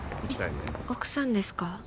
奥さんですか？